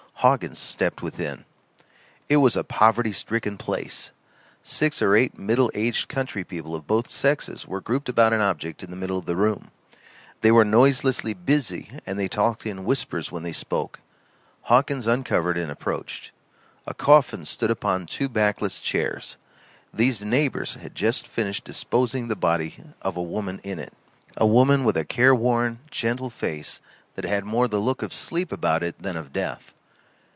Hawkins stepped within. It was a poverty stricken place. Six or eight middle aged country people of both sexes were grouped about an object in the middle of the room; they were noiselessly busy and they talked in whispers when they spoke. Hawkins uncovered and approached. A coffin stood upon two backless chairs. These neighbors had just finished disposing the body of a woman in it a woman with a careworn, gentle face that had more the look of sleep about it than of death.